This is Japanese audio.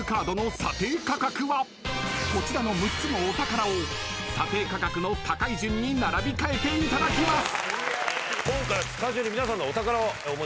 ［こちらの６つのお宝を査定価格の高い順に並び替えていただきます］